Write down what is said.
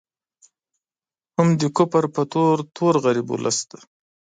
هم د کفر په تور، تور غریب ولس دی